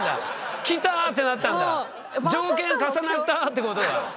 条件重なったってことだ。